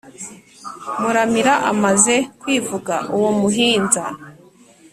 muramira amaze kwivuga uwo muhinza,